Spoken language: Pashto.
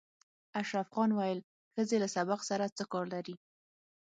اشرف خان ویل ښځې له سبق سره څه کار لري